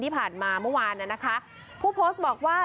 ที่ผ่านมาเมื่อวานน่ะนะคะผู้โพสต์บอกว่า